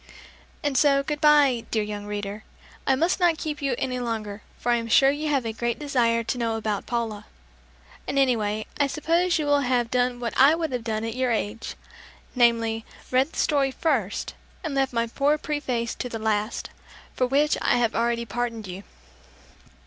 And so good bye, dear young reader! I must not keep you any longer, for I am sure you have a great desire to know about Paula; and anyway, I suppose you will have done what I would have done at your age, namely, read the story first, and left my poor preface to the last for which I have already pardoned you!